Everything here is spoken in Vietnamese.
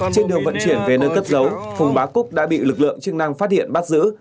trên đường vận chuyển về nơi cất giấu phùng bá cúc đã bị lực lượng chức năng phát hiện bắt giữ